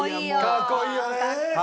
かっこいいよねえ。